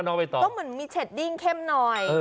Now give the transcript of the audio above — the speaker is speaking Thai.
ต้องเหมือนมีเฉดดิ้งเข้มหน่อย